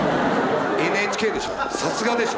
ＮＨＫでしょ。